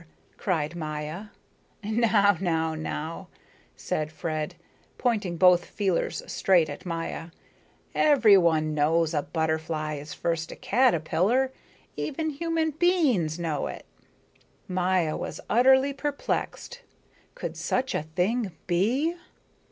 cried Maya. "Now, now, now," said Fred, pointing both feelers straight at Maya. "Everyone knows a butterfly is first a caterpillar. Even human beings know it." Maya was utterly perplexed. Could such a thing be?